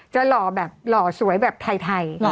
หล่อแบบหล่อสวยแบบไทย